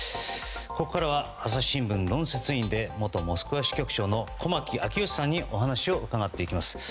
ここからは朝日新聞論説委員で元モスクワ支局長の駒木明義さんにお話を伺っていきます。